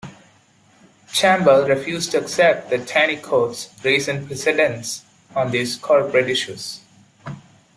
Campbell refused to accept the Taney Court's recent precedents on these corporate issues.